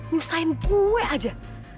nyusahin gue aja